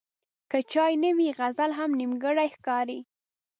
که چای نه وي، غزل هم نیمګړی ښکاري.